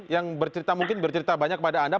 yang bercerita mungkin bercerita banyak kepada anda